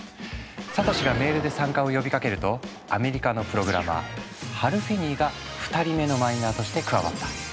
サトシがメールで参加を呼びかけるとアメリカのプログラマーハル・フィニーが２人目のマイナーとして加わった。